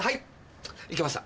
行けました。